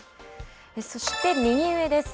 そして右上です。